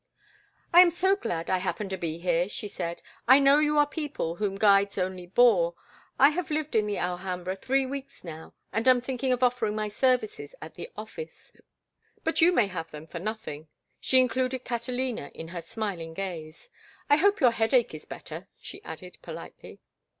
"I am so glad I happen to be here," she said, "I know you are people whom guides only bore. I have lived in the Alhambra three weeks now, and am thinking of offering my services at the office; but you may have them for nothing." She included Catalina in her smiling gaze. "I hope your headache is better," she added, politely.